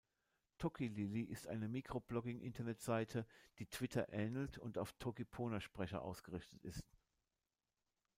Toki lili ist eine Microblogging-Internetseite, die Twitter ähnelt und auf Toki-Pona-Sprecher ausgerichtet ist.